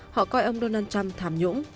họ coi ông donald trump tham nhũng